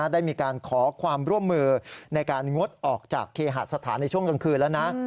ได้มีการขอความร่วมมือในการงดออกจากเคหสถานในช่วงกลางคืนแล้วนะ